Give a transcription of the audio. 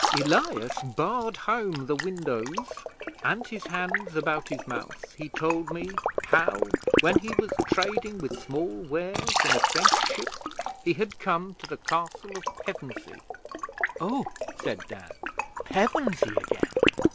Elias barred home the windows, and, his hands about his mouth, he told me how, when he was trading with small wares in a French ship, he had come to the Castle of Pevensey.' 'Oh!' said Dan. 'Pevensey again!'